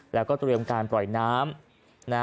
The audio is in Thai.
แล้วก็เตรียมการปล่อยน้ำ